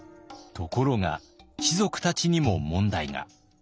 ところが士族たちにも問題が。